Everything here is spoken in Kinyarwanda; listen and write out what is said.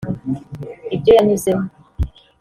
ibyo yanyuzemo